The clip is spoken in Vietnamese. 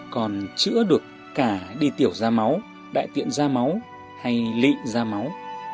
còn chữa được cà đi tiểu da máu đại tiện da máu hay lị da máu